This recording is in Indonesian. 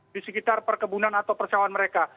di sekitar perkebunan atau persawahan mereka